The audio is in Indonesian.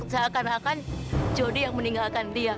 seakan akan jody yang meninggalkan dia